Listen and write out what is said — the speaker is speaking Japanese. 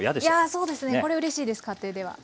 そうですねこれうれしいです家庭では。